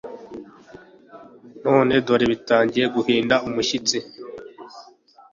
none dore batangiye guhinda umushyitsi